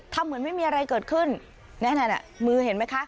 เหมือนไม่มีอะไรเกิดขึ้นแน่นอนมือเห็นไหมคะ